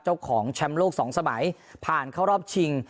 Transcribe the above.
เจ้าของแชมป์โลกสองสมัยผ่านเข้ารอบชิง